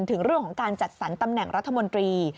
ถึงเรื่องของการจัดสรรตำแหน่งรัฐมนตรี